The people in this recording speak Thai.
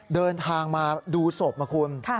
เดินทางมาดูศพนะคุณ